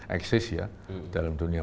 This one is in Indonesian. exist ya dalam dunia